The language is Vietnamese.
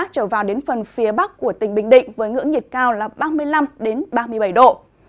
trở vào đến phần phía bắc của tỉnh bình định với ngưỡng nhiệt cao là ba mươi năm ba mươi bảy độ